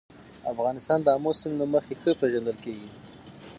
افغانستان د آمو سیند له مخې ښه پېژندل کېږي.